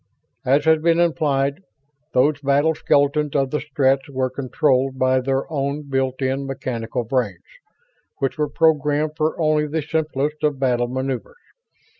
As has been implied, those battle skeletons of the Stretts were controlled by their own built in mechanical brains, which were programmed for only the simplest of battle maneuvers.